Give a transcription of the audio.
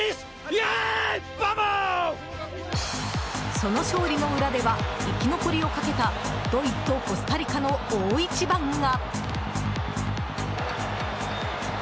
その勝利の裏では生き残りをかけたドイツとコスタリカの大一番が。